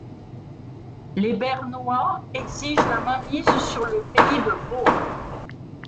Les Bernois exigent la mainmise sur le Pays de Vaud.